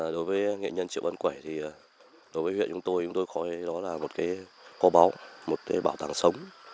đối với nghệ nhân triệu văn quẩy đối với huyện chúng tôi chúng tôi coi đó là một cái khó báo một cái bảo tàng sống